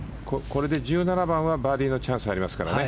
これで１７番はバーディーのチャンスがありますからね。